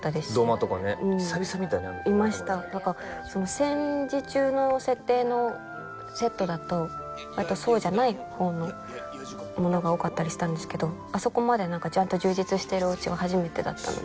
戦時中の設定のセットだとそうじゃない方の物が多かったりしたんですけどあそこまでちゃんと充実してるおうちは初めてだったので。